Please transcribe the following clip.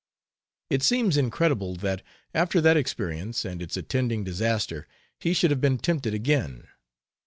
It seems incredible that, after that experience and its attending disaster, he should have been tempted again.